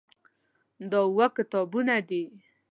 دا اووه کتابونه دي.